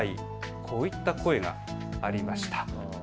こういった声がありました。